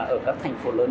ở các thành phố lớn